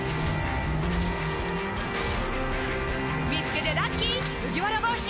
見つけてラッキー麦わら帽子！